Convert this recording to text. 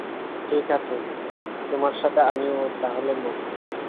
ঠিক আছে, তোদের সাথে আমিও তাহলে মরব!